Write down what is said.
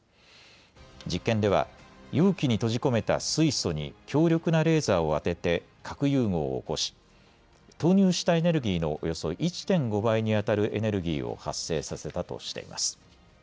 実験では容器に閉じ込めた水素に強力なレーザーを当てて核融合を起こし投入したエネルギーのおよそ１．５倍にあたるエネルギーを発生させたとしています。